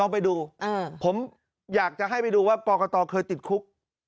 ไปดูผมอยากจะให้ไปดูว่ากรกตเคยติดคุก